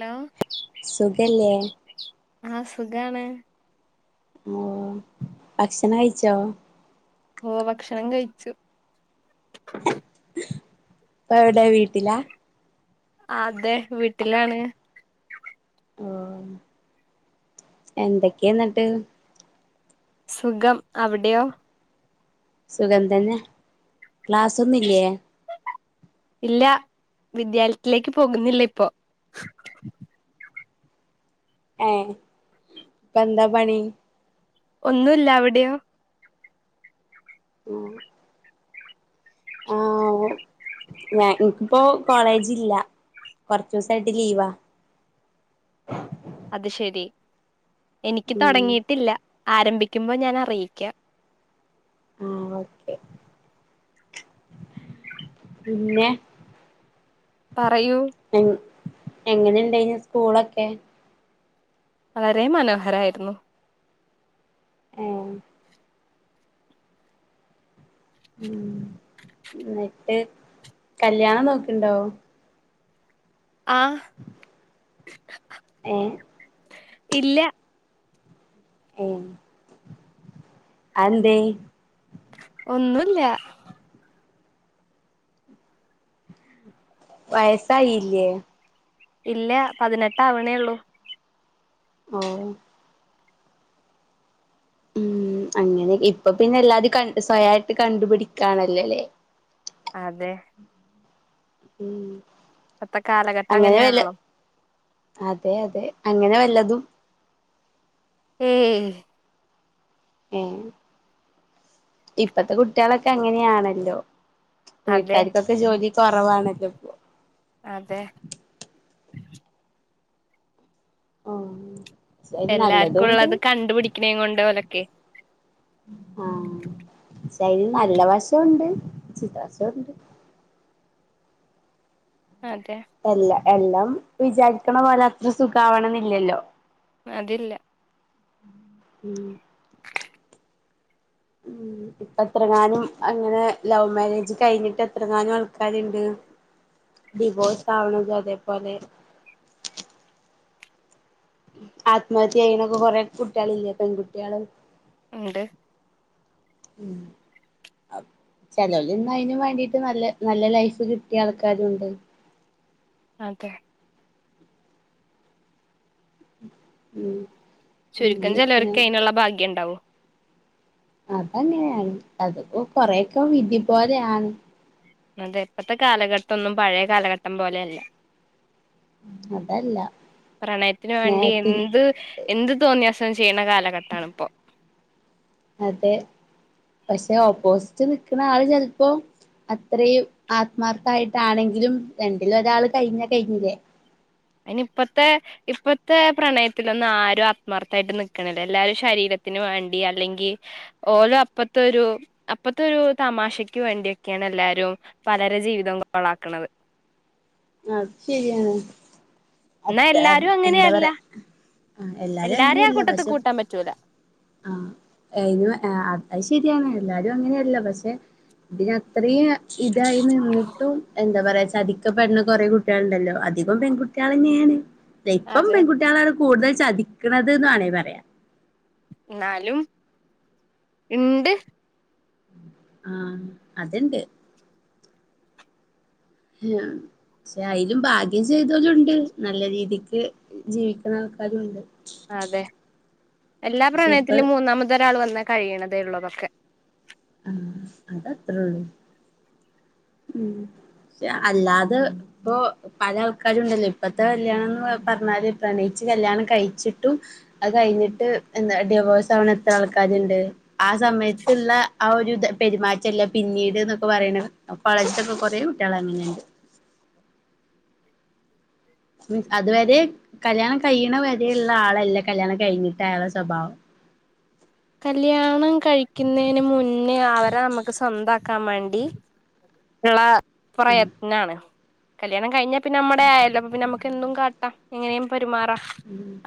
Hello സുഖല്ലെ ആഹ് സുഖാണ് ഓ ഭക്ഷണം കഴിച്ചോ ഓ ഭക്ഷണം കഴിച്ചു ഇപ്പ എവിടെ വീട്ടിലാ അതെ വീട്ടിലാണ് ഓ എന്തൊക്കെയാന്നിട്ട് സുഖം അവിടെയോ സുഖം തെന്നെ ക്ലാസൊന്നുല്ലേ വിദ്യാലത്തിലേക്ക് പോകുന്നില്ലിപ്പൊ ഏഹ് ഇപ്പാ എന്താ പണി ഒന്നൂല്ല അവിടെയോ ഉം ആവൊ ഞാൻ ഇപ്പോ കോളേജില്ല കൊറച്ച് ദിവസായിട്ട് ലീവാ അത് ശരി എനിക്ക് ഉം തൊടങ്ങിയിട്ടില്ല ആരംഭിക്കുമ്പോ ഞാനറിയിക്ക ആഹ് ഓക്കെ പിന്നെ പറയൂ എങ്ങനിണ്ടായിന് സ്കൂളൊക്കെ വളരേ മനോഹരായിരുന്നു ഏഹ് ഉം ന്നിട്ട് കല്ല്യാണം നോക്കൺണ്ടോ? ആഹ് ഏ ഇല്ല ഏഹ് അഎന്തേ? ഒന്നുല്ല വയസായില്ല്യെ ഇല്ല പതിനെട്ടാവണേ ഉള്ളൂ ഓ ഉം അങ്ങനെ ഇപ്പൊ പിന്നെ എല്ലാരും കണ്ട് സ്വയായിട്ട് കണ്ടുപിടിക്കാണല്ലോല്ലേ അതേ ഉം കാലഘട്ടം അങ്ങനെ വല്ല അങ്ങനെയാണല്ലോ അതെ അതെ അങ്ങനെ വല്ലതും ഏയ്‌ ഏ ഇപ്പത്തെ കുട്ടിയാളൊക്കെ അങ്ങനെയാണല്ലോ അതെ വീട്ടുകാർക്കൊക്കെ ജോലി കുറവാണല്ലോ ഇപ്പൊ അതെ [inaudible] ആഹ് എല്ലാർക്കും ഉള്ളത് കണ്ടുപിടിക്കണേ കൊണ്ട് ഓലൊക്കെ അയിൽ നല്ല വശോണ്ട് ചീത്ത വശോണ്ട് അതെ എല്ല എല്ലാം വിചാരിക്കണ പോലെ അത്ര സുഖാവണെന്നില്ലല്ലോ അതില്ല ഉം ഉം ഇപ്പ എത്രങ്ങാനും അങ്ങനെ ലവ് മാരേജ് കഴിഞ്ഞിട്ട് എത്രങ്ങാനും ആൾക്കാരുണ്ട് ഡിവോഴ്സ് ആവണത് അതേപോലെ ആത്മഹത്യ ചെയ്യണൊക്കെ കൊറെ കുട്ടികള് ഇല്ലേ പെൺകുട്ടികള് ഇണ്ട് ഉം ചെലോൽ ഇന്ന് അതിന് വേണ്ടിട്ട് നല്ല നല്ല ലൈഫ് കിട്ടിയ ആൾക്കാരുണ്ട് അതെ ഉം ചുരുക്കം ചിലർക്ക് അങ്ങനെയൊക്കെയാണ് അയ്നുള്ള ഭാഗ്യം ഉണ്ടാവൂ അതങ്ങെനെയാണ് അതിപ്പോ കൊറെയൊക്കെ വിധി പോലെയാണ് അതെ ഇപ്പത്തെ കാലഘട്ടൊന്നും പഴയ കാലഘട്ടം പോലെയല്ല അതല്ല പ്രണയത്തിന് വേണ്ടി സ്നേഹത്തിൽ എന്ത് എന്ത് തോന്നിയാസ ചെയ്യണ കാലഘട്ടാണ് ഇപ്പൊ അതെ പക്ഷെ ഓപ്പോസിറ്റ് നിക്കുന്ന ആള് ചെൽപ്പോ അത്രയും ആത്മാർഥായിട്ടാണെങ്കിലും രണ്ടില് ഒരാള് കഴിഞ്ഞാ കഴിഞ്ഞില്ലേ അതിന് ഇപ്പത്തെ ഇപ്പത്തെ പ്രണയത്തിലൊന്നും ആരും ആത്മാർത്ഥായിട്ട് നിക്കണില്ല എല്ലാരും ശരീരത്തിന് വേണ്ടി അല്ലെങ്കിൽ ഓലും അപ്പത്തെ ഒരു അപ്പത്തെ ഒരു തമാശക്ക് വേണ്ടിയൊക്കെയാണ് എല്ലാരും പലരെ ജീവിതം കുളാക്കണത് അത് ശരിയാണ് എന്നാ അത്ര എല്ലാരും എന്താ അങ്ങനെയല്ല പറയാ ആ എല്ലാരും എല്ലാരേം ആ അങ്ങനെയല്ല കൂട്ടത്തിൽ പക്ഷെ കൂട്ടാൻ പറ്റൂല ആ ഏഹ് അത് ശരിയാണ് എല്ലാരും അങ്ങനെയല്ല പക്ഷെ ഇതിന് അത്രയും ഇതായി നിന്നിട്ടും എന്താ പറയാ ചതിക്കപ്പെടണ കുറെ കുട്ടികളുണ്ടല്ലോ അധികോം പെൺകുട്ടികൾ തന്നെയാണ് ല്ല ഇപ്പം അതെ പെൺകുട്ടികളാ കൂടുതൽ ചതിക്കുന്നത്ന്ന്ാണേ പറയാം എന്നാലും ഉണ്ട് ആഹ അതണ്ട് ആ പക്ഷെ അതിലും ഭാഗ്യം ചെയ്തോലുംുണ്ട് നല്ല രീതിക്ക് ജീവിക്കുന്ന ആൾക്കാരുുംണ്ട് അതെ എല്ലാ പക്ഷെ ഇപ്പ പ്രണയത്തിലും മൂന്നാമത ഒരാൾ വന്നാ കഴിയണതേ ഉള്ളതൊക്കെ ആഹ അതത്രേ ഉള്ളു ഉ പെ അല്ലാതെ ഇപ്പൊ പല ആൾക്കാരും ഇണ്ടല്ലോ ഇപ്പത്തെ കല്യാണം എന്ന് പറഞ്ഞാല് പ്രണയിച്ച് കല്യാണം കഴിച്ചിട്ടും അത് കഴിഞ്ഞിട്ട് എന്താ ഡിവോഴ്സ് ആവണത്ര ആൾക്കാരുണ്ട് ആ സമയത്തുള്ള ആ ഒരു പെരുമാറ്റംല്ല പിന്നീട് എന്നൊക്കെ പറയണ അ കോളേജിൽ ഓക്കേ കൊറെേ കുട്ടികള അങ്ങനെയണ്ട് മീൻസ് അതുവരെ കല്യാണം കഴിയണ വരയുള്ള ആളല്ലേ കല്ല്യാണം കഴിഞ്ഞിട്ടായള സ്വഭാവം കല്യാണം കഴിക്കുന്നതിന് മൻേ പിന്നെ അവരെ നമ്മുക്ക് സ്വന്ത കമണ്ടി ആ പ്രയത്നാണ് കല്യാണം കഴിഞ്ഞാ പിന്ന നമ്മ ആയല്ല നമുക്ക് എന്തും കാട്ടാം എങ്ങനെയ പെമാറ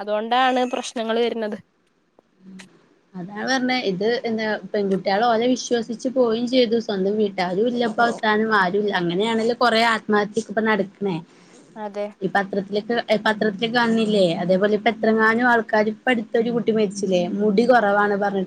അതുകൊണ്ടാണ് പ്രശ്നങ്ങള്ൾ വരുന്നത് അതാണ് പറഞ്ഞത് ഇത് എന്താ പെൺകുട്ടികള ഓലെ വിശ്വസിിച്ചച്ച് പോയും ചെയ്തു സ്വന്തം വീട്ടാരും ഇല്ലപ്പ അവസാനം ആരു ഇല്ല അങ്ങനെയാണെങ്കലും കൊറെേ ആത്മഹത്യക്ക ഇപ്പ നടക്കണേ അതെ ഈ പത്രത്തിലൊക്കെ പത്രത്തിലേക്ക് കാണില്ലേ പത്രത്തിൽ പത്രത്തിൽ കാണുന്നില്ലേ അതേപോലെ ഇപ്പോ എത്രങ്ങാനും ആൾക്കാർ ഇപ്പോ അടുത്തൊരു കുട്ടി മ അതികും പെൺകുട്ടി കളാണെന്ന്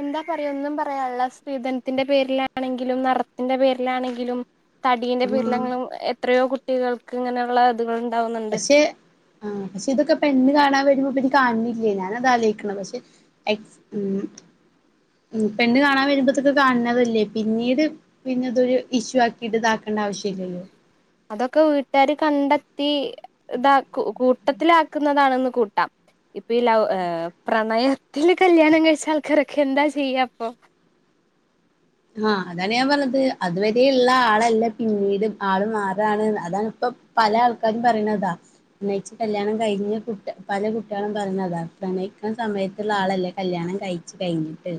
എന്താ പറയ ഒന്നും പറയുള്ള സ്ത്രീധനത്തിന്റെ പേരിലാണെങ്കിലും നടറത്തിന്റെ പേരിലാണെങ്കിലും തടീന്റെ ആഹ് പിീരിലങ്ങളും എത്രയോ കുട്ടികൾ ഇങ്ങനെയുള്ള ഇതുകൾ ഉണ്ടാവുന്നുണ്ട് പക്ഷെ ആ പക്ഷെ ഇതൊക്കെ പെണ് കാണാൻ വരുമ്പോ കാണില്ലേ ഞാന അത് ആലോചിക്കണം പക്ഷെ ഉ പെണ്ണ് കാണാൻ വരുമ്പോത്തൊക്കെ കാണണതല്ലേ പിന്നീട് പിന്നെ അതൊരു ഇഷ്യു ആക്കിട്ട് ഇതാക്കേണ്ട ആവശ്യം ഇില്ലല്ലോ അതൊക്കെ വീട്ടുകാാര് കണ്ടെത്തി ഇതാ കൂ ട്ടത്തിലാക്കുന്നതാണെന്ന് കൂട്ടാം ഇപ്പൊ ഈ ലൗ ഏർ പ്രണയത്തില് കല്യാണം കഴിച്ച ആൾക്കാരൊക്കെ എന്താ ചെയ്യാ അപ്പൊ ആഹ അതാണ് ഞാൻ പറഞ്ഞത് അതുവരെയള്ള ആളല്ലേ പിന്നീട് ആള് മാറാണ് അതാാണ് ഇപ്പ പല ആൾക്കാരും പറയുന്നതാ പ്രണയിച്ച കല്യാണം കഴിഞ്ഞ കുട്ട പല കുട്ടികളും പറയുന്നതാ പ്രണയിക്കുന്ന സമയത്തുള്ള ആളല്ലേ കല്യാണം കഴിച്ചു കഴിഞ്ഞിട്ട്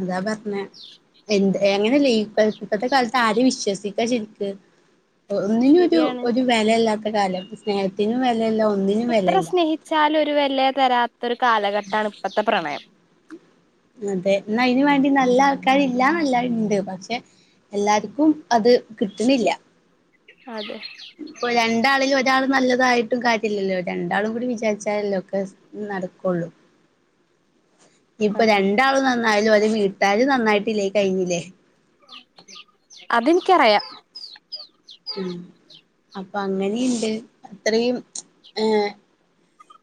അതാ പറഞ്ഞേ എന്ത് എങ്ങനെയല്ലേ ഇപ്പോത്തെ കാലത്ത് ആര വിശ്വസിക്കാ ശരിക്ക ഒന്നിനും ഒരു ശരിയാണ് ഒരു വിലയല്ല കാലം സ്നേഹന എത്ര സ്നേഹിച്ചാലും ഒരു വലയ തരാത്ത ഒരു കാലഘട്ടമാണ് ഇപ്പോഴത്തെ പ്രണയം അതെ എന്നാ അതിനന് വേണ്ടി നല്ല ആൾക്കാരില്ല നല്ല ഇണ്ട് പക്ഷെ എല്ലാർക്കും അത് കിട്ടുന്നില്ല അതെ ഇപ്പൊ രണ്ടാളിലും ഒരാൾ നല്ലത് തായിട്ടും കാര്യില്ലല്ലോ രണ്ടാളും കൂടി വിചാരിച്ചാലല്ലോ ഒക്കെ നടക്കുള്ളൂ ഇപ്പൊ അതെ രണ്ടാളും നന് ന്നായാലും ഓല് വീട്ടാര് നന്നായിട്ടില്ലേ കഴിഞ്ഞില്ലേ അതെൻക്കറിയാ ഉം അപ്പൊ അങ്ങനെയുണ്ട് അത്രയും ഏ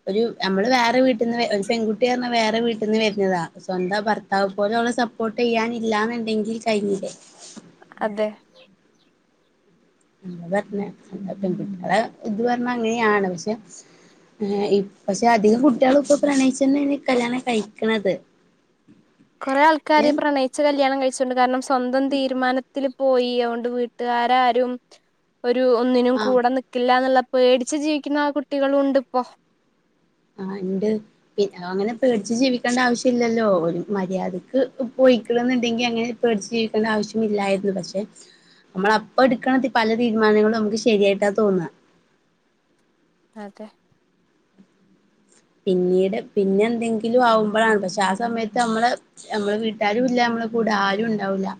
ഒരു നമ്മള് വേറെ വീട്ടിൽന്ന് ഒരു പെൺകുട്ടി പറഞ്ഞ വേറെ വീട്ടിൽന്ന് വരുന്നതാ സ്വന്താ ഭർത്താവ് പോലള്ള സപ്പോർട്ട് ചെയ്യാനല്ലാന്നുണ്ടെങ്കിൽ കഴിഞ്ഞില്ലേ അതെ അതാ പറഞ്ഞെ പെൺകുട്ടികളെ ഇത് പറഞ്ഞ അങ്ങനെയാണ് പക്ഷെ ഇ പക്ഷെ അധികം കുട്ടികളും ഇപ്പ പ്രണയിച്ചന്നെയാ കല്യാണം കഴിക്കണത് കൊറേ പക്ഷെ ആൾക്കാര് പ്രണയിച്ച കല്യാണം കഴി ച്ചുണ്ട് കാരണം സ്വന്തം തീരുമാനത്തിൽ പോയി ഔണ്ട് വീട്ടുകാരാരും ഒരു ഒന്നിനും ആഹ് കൂടെ നിക്കില്ല എന്നുള്ള പേടച്ച് ജീവിക്കുന്ന ആ കുട്ടികളു ഉണ്ട് ഇപ്പോ ആ ഉണ്ട് പിന്നെ അങ്ങനെ പേടിച്ചു ജീവിക്കേണ്ട ആവശ്യം ഇല്ലല്ലോ ഒരു മര്യാദക്ക് പോയിക്ക്ണ്ന്നുണ്ടെങ്കി അങ്ങനെ പേടിച്ചു ജീവിക്കേണ്ട ആവശ്യം ഇല്ലായിരുന്നു പക്ഷെ നമ്മൾ അപ്പ എടുക്കണം പല തീരുമാനങ്ങളും നമുക്ക് ശരിയായിട്ടാ തോന്നാ അതെ പിന്നീട് പിന്നെ എന്തെങ്കിലും ആവുമ്പോഴാണ് പക്ഷെ ആ സമയത്ത് നമ്മള് നമ്മള് വീട്ടാലും ഇല്ല നമ്മളെ കൂട ആരുണ്ടാവൂല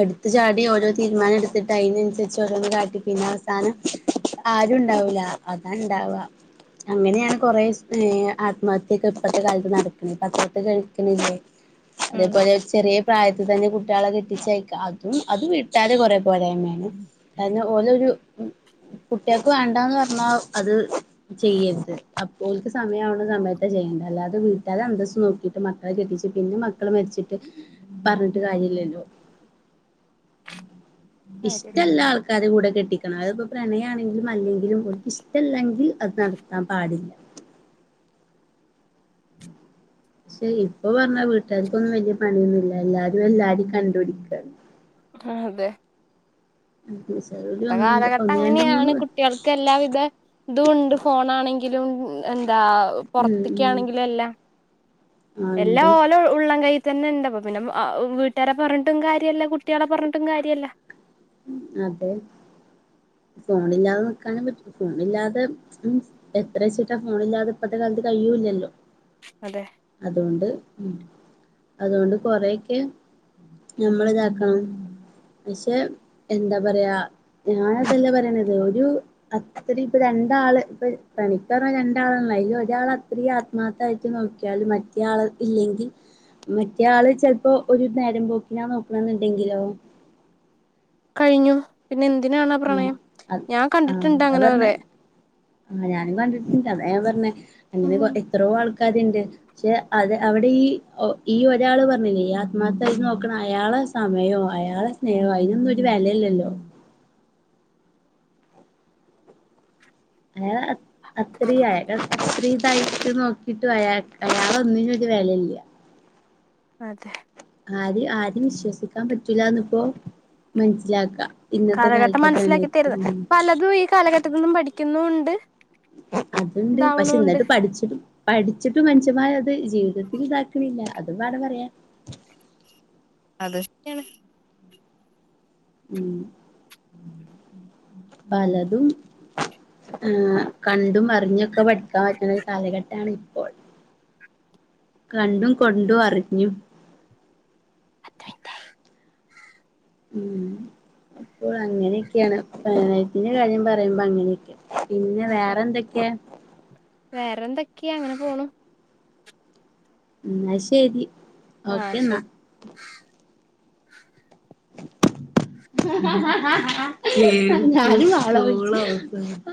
എടുത്ത ചാടി ഓരോ തീരുമാനം എടുത്തിട്ട് അതിനനുസരിച്ച് ഓരോന്ന് കാട്ടി പിന്നെ അവസാനം ആരും ഉണ്ടാവൂല അതാണ് ണ്ടവാ അങ്ങനെയാണ് കൊറെ ഏ ആത്മഹത്യക്കെ ഇപ്പത്തെ കാലത്ത് നടക്കണെ പത്രത്ത് കേൾക്ക്ണില്ലേ ഉം അതേപോലെ ചെറിയ പ്രായ ത്ത് തന്നെ കുട്ടികളെ കെ ട്ടിച്ചയക്ക അതും അത് വീട്ടാതെ കുറേ പോരായ്മയാണ് ഓലൊരു കുട്ട്യാക്കു വേണ്ടാന്ന് പറ ആ അത് ചെയ്യരുത് അപ്പോൽക്ക് സമയാവണ സമയത്ത ചെയ്യും അല്ലാതെ വീട്ടാരെ അന്തസ് നോക്കിട്ട് മക്കളെ കെട്ടിച്ച് പിന്നെ മക്കൾ മരിച്ചിട്ട് പറ ഞ്ഞിട്ട് കാര്യല്ലല്ലോ ഉം കാര്യല്ല ഇഷ്ടല്ല ആൾക്കാര് കൂടെ കെട്ടി അതിപ്പോ പ്രണയാണെങ്കിലും അല്ലെങ്കിലും ഓലിക്ക് ഇഷ്ടമില്ലെങ്കിൽ അത് നടത്താൻ പാടില്ല പക്ഷെ ഇപ്പൊ പറഞ്ഞാ വീട്ടുകാർക്കൊന്നും വല്യ പണിയൊന്നുല്ല എല്ലാരും എല്ലാരും കണ്ടുപിടിക്കാണ് അ അതെ ജോലി ഇപ്പത്തെ ഒന്നുണ്ട് കാലഘട്ടം ഒന്ന് രണ്ട് അങ്ങനെയാണ് മൂന്ന് കുട്ടികൾക്ക് എല്ലാവിധ ഇതും ഉണ്ട് ഫോണാണെങ്കിലും എന്താ ഉം ഉം പുർത്തക്കാണെങ്കിലും എല്ലാം ആ എല്ലാ ഉണ്ട് ഓലെ ഉള്ളം കൈ തന്നെ ഇണ്ടാ അപ്പ പിന്നെ വീട്ടുകാരെ പറഞ്ഞിട്ടും കാര്യമല്ല കുട്ടികളെ പറഞ്ഞിട്ടും കാര്യല്ല അതെ ഫോണില്ലാതെ നിക്കാനും പറ്റും ഫോണില്ലാതെ എത്ര ചീട്ടാ ഫോണില്ലാതെ ഇപ്പത്തെ കാലത്ത് കഴിയൂല്ലല്ലോ അതെ അതുകൊണ്ട് ഉ അതുകൊണ്ട് കൊറെയൊക്കെ നമ്മൾ ഇതാക്കണം പഷേ എന്താ പറയാ ഞൻ അതല്ലേ പറയണത് ഒരു അത്ര ഇപ്പൊ രണ്ടാള് ഇപ്പൊ പണിക്ക് പറഞ്ഞ രണ്ടാളല്ല ഒരാൾ അത്ര ആത്മാർത്ഥായിട്ട് നോക്കിയാല മറ്റേ ആൾ ഇല്ലെങ്കിൽ മറ്റേ ആള് ചെൽ പ്പോ ഒരു നേരം പോക്കിനാ നോക്കണെന്നുണ്ടെങ്കിലോ കഴിഞ്ഞു. പിന്നെ എന്തിനാണ് ആ മ്മ്. പ്രണയം അ ഞാൻ കണ്ടിട്ടുണ്ട് അതാ അങ്ങനെ പറഞ്ഞെ. കൊറേ ആ ഞാനും കണ്ടിട്ടണ്ട്. അതാ ഞാൻ പറഞ്ഞെ. അങ്ങനെ ഉം എത്രോ ആൾക്ക ര്ണ്ട്. പക്ഷെ അത് അവിടെ ഈ ഒരാള് പറഞ്ഞില്ലേ ആത്മാർത്ഥയിട്ട് നോക്കണ അയാളടെ സമയോ അയാളടെ സ്നേഹോ അതിനൊന്നും ഒരു വെലയില്ലല്ലോ അയാളെ അ അത്രീം ആയാലോ കൈവിട്ട് നോക്കിട്ട് അയാ അയാൾ ഒന്നിനും ഒരു വെലല്ല അതെ ആര് ആരേം വിശ്വസിക്കാൻ പറ്റൂല്ലാന്ന് ഇപ്പോ മനസിലാക്ക കാലഘട്ടം മനസ്സിലാക്കി തരുത്. പലതും ഈ കാലഘട്ടത്തിൽ നിന്നും പഠിക്കുന്നു ണ്ട് അതുണ്ട്. പക്ഷെ എന്നിട്ട് പഠിച്ച് പഠിച്ചിട്ട് മനുഷമാരത്‌ ജീവിതത്തിൽ ഇതാക്കണില്ല. അതും വേണ പറയാൻ അതും ശരിയാണ് മ് പലതും ങ് കണ്ടും അറിഞ്ഞൊക്കെ പഠി ക്കാൻ പറ്റുന്ന ഒരു കാലഘട്ടാണ് കണ്ടും കൊണ്ടും അറിഞ്ഞും പത്തു മിൻറ്റായി മ്മ് അപ്പോൾ അങ്ങനെയൊക്കെയാണ്. പ്രണയത്തിന്റെ കാര്യം പറയുമ്പോ അങ്ങനെയൊക്കെയാ പിന്നെ വേറെ എന്തക്കെയാ? വേറെ എന്തക്കെയാ അങ്ങനെ പോണു. എന്ന ശെരി. ങാ ശെരി. [inaudible] ഞാനും വാള വെച്ച്